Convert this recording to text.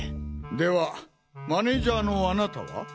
ではマネージャーのあなたは？